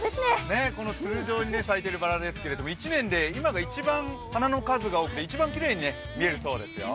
つる状に咲いているばらですけど１年で今が一番花の数が多くて一番きれいに見れるそうですよ。